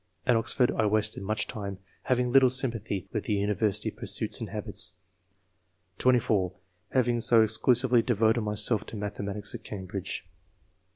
At Oxford I wasted much time, having little sympathy with the university pursuits and habits." (24) " Having so exclusively devoted myself to mathematics at Cambridge."